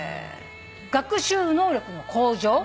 学習能力の向上。